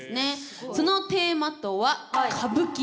そのテーマとは歌舞伎。